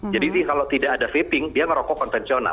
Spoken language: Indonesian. jadi kalau tidak ada vaping dia ngerokok konvensional